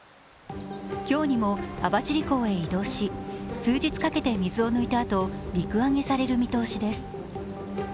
今日にも網走港へ移動し数日かけて水抜きしたあと陸揚げされる見通しです。